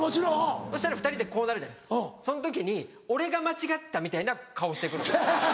そしたら２人でこうなるじゃないですかそん時に俺が間違ったみたいな顔して来るんです。